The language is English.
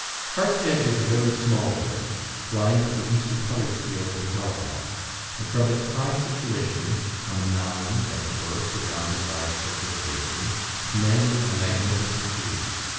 Hartshead is a very small village, lying to the east of Huddersfield and Halifax; and, from its high situation on a mound, as it were, surrounded by a circular basin commanding a magnificent view.